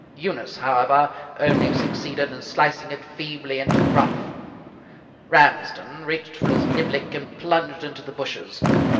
Eunice, however, only succeeded in slicing it feebly into the rough. Ramsden reached for his niblick and plunged into the bushes.